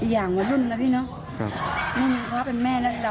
อย่างหนุ่นน่ะพี่เนอะ